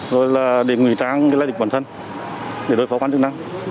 rồi là để ngủy tráng lại địch bản thân để đối phó quan trọng năng